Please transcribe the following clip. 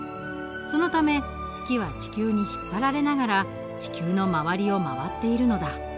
そのため月は地球に引っ張られながら地球の周りを回っているのだ。